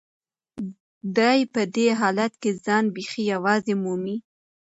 دی په دې حالت کې ځان بیخي یوازې مومي.